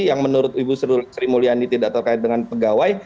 yang menurut ibu sri mulyani tidak terkait dengan pegawai